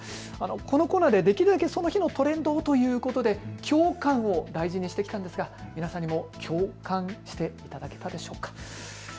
このコーナーではできるだけその日のトレンドをということできょう感を大事にしてきたんですが、皆さんも共感していただけたでしょうか。